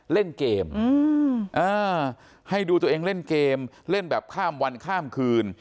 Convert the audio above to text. เล่นเกมให้ดูตัวเองเล่นเกมเล่นแบบข้ามวันข้ามคืน